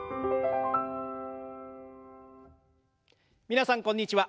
皆さんこんにちは。